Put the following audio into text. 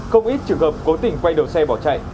không ít trường hợp cố tình quay đầu xe bỏ chạy